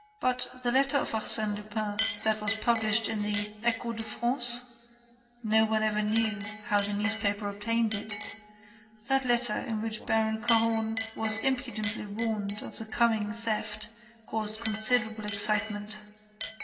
But the letter of Arsène Lupin that was published in the Echo de France (no once ever knew how the newspaper obtained it), that letter in which Baron Cahorn was impudently warned of the coming theft, caused considerable excitement.